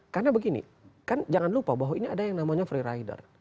karena begini kan jangan lupa bahwa ini ada yang namanya free rider